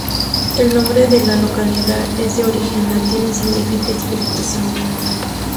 El nombre de la localidad es de origen latín y significa Espíritu Santo.